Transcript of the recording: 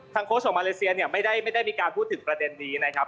โค้ชของมาเลเซียเนี่ยไม่ได้มีการพูดถึงประเด็นนี้นะครับ